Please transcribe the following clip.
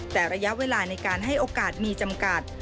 แต่ระยะเวลาในการให้โอกาสมีจำกัด